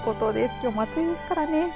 きょうも暑いですからね。